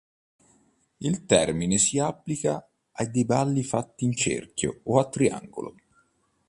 Il termine si applica a dei balli fatti in cerchio o a triangolo.